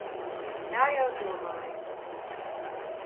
Tā jau domāju.